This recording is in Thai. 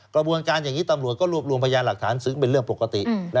กระบวนการอย่างนี้ตำรวจก็รวบรวมพยานหลักฐานซึ่งเป็นเรื่องปกติ